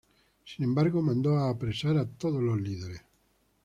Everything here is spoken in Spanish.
Sin embargo mandó a apresar a todos los líderes.